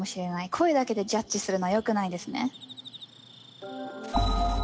声だけでジャッジするのはよくないですね。